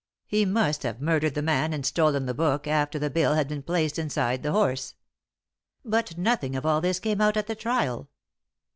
He must have murdered the man and stolen the book after the bill had been placed inside the horse. "But nothing of all this came out at the trial."